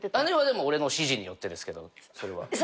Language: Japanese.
姉は俺の指示によってですけどそれは。